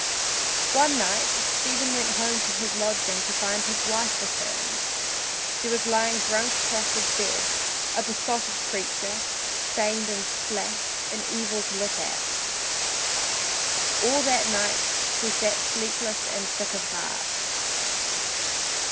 One night Stephen went home to his lodging to find his wife returned. She was lying drunk across his bed, a besotted creature, stained and splashed, and evil to look at. All that night he sat sleepless and sick at heart.